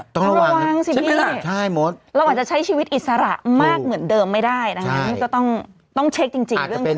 ต้องระวังสินี่แหละเราอาจจะใช้ชีวิตอิสระมากเหมือนเดิมไม่ได้นะคะนี่ก็ต้องเช็คจริงเรื่องนี้